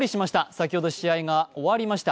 先ほど試合が終わりました。